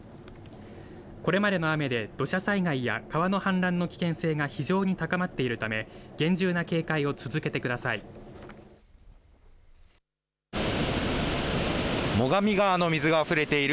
これまでの雨で土砂災害や川の氾濫の危険性が非常に高まっているため厳重な警戒を続けてください。